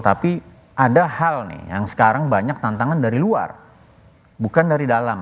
tapi ada hal nih yang sekarang banyak tantangan dari luar bukan dari dalam